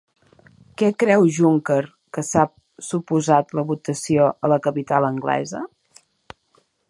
Què creu Juncker que ha suposat la votació a la capital anglesa?